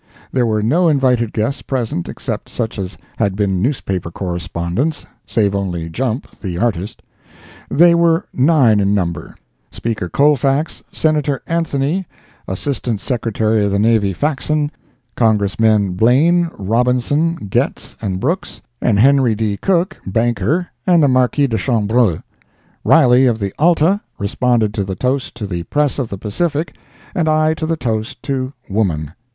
There were no invited guests present except such as had been newspaper correspondents (save only Jump, the artist). They were nine in number: Speaker Colfax, Senator Anthony, Assistant Secretary of the Navy Faxon, Congressmen Blain, Robinson, Getz and Brooks, and Henry D. Cook, banker and the Marquis de Chambrun. Riley, of the ALTA, responded to the toast to the Press of the Pacific, and I to the toast to Woman.